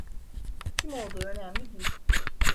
Kim olduğu önemli değil.